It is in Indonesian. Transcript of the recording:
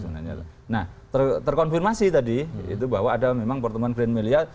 nah terkonfirmasi tadi itu bahwa ada memang pertemuan grand melia